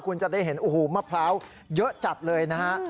คุณจะได้เห็นโอ้โหมะพร้าวเยอะจัดเลยนะฮะ